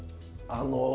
あの。